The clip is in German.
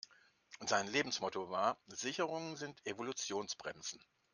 Sein Lebensmotto war: Sicherungen sind Evolutionsbremsen.